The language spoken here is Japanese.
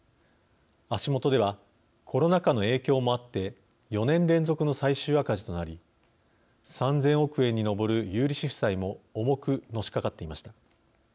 足元ではコロナ禍の影響もあって４年連続の最終赤字となり３，０００億円に上る有利子負債も重くのしかかっていました。